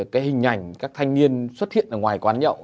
cái hình ảnh các thanh niên xuất hiện ở ngoài quán nhậu